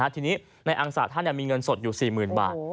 ทีนี้ในอังสะท่านมีเงินสดอยู่๔๐๐๐บาท